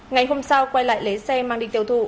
ngày hôm sau quay lại lấy xe mang đi tiêu thụ